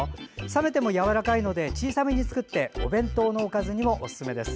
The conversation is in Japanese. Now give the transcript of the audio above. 冷めてもやわらかいので小さめに作ってお弁当のおかずにもおすすめです。